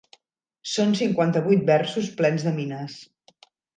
Són cinquanta-vuit versos plens de mines.